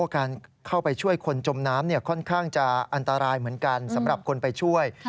การเข้าไปช่วยคนจมน้ำค่อนข้างจะอันตรายเหมือนกันสำหรับคนไปช่วย